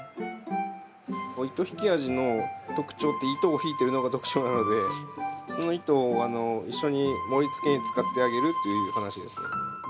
イトヒキアジの特徴って、糸を引いてるのが特徴なので、その糸を一緒に盛りつけに使ってあげるという話ですね。